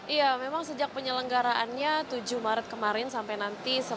iya memang sejak penyelenggaraannya tujuh maret kemarin sampai nanti